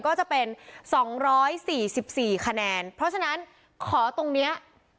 ก็จะเป็นสองร้อยสี่สิบสี่คะแนนเพราะฉะนั้นขอตรงเนี้ย